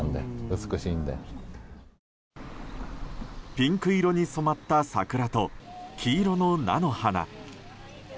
ピンク色に染まった桜と黄色の菜の花。